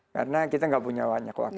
karena kita tidak punya banyak waktu